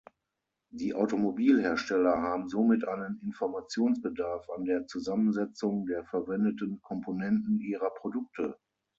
Die Automobilhersteller haben somit einen Informationsbedarf an der Zusammensetzung der verwendeten Komponenten ihrer Produkte.